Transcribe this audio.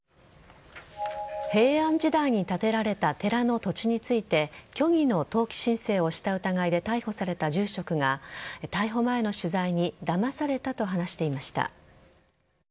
平安時代に建てられた寺の土地について虚偽の登記申請をした疑いで逮捕された住職が逮捕前の取材にだまされたと話していました。